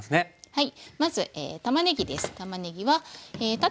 はい。